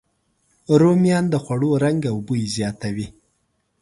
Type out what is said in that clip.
رومیان د خوړو رنګ او بوی زیاتوي